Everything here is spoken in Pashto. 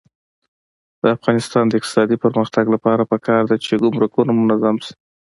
د افغانستان د اقتصادي پرمختګ لپاره پکار ده چې ګمرکونه منظم شي.